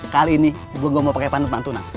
kali ini gua gak mau pake pantun pantunan